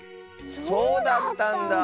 そうだったんだ。